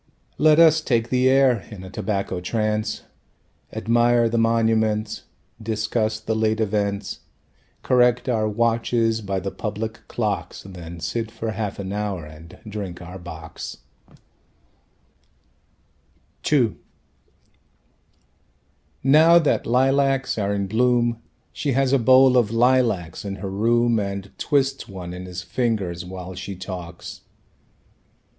Let us take the air, in a tobacco trance, Admire the monuments Discuss the late events, Correct our watches by the public clocks. Then sit for half an hour and drink our bocks. II Now that lilacs are in bloom She has a bowl of lilacs in her room And twists one in her fingers while she talks.